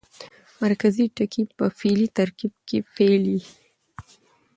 مرکزي ټکی په فعلي ترکیب کښي فعل يي.